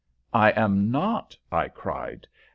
"I am not," I cried.